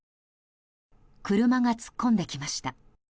車が突っ込んできました。